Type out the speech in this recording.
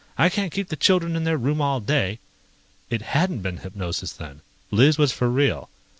I can't keep the children in their room all day." It hadn't been hypnosis then! Liz was for real.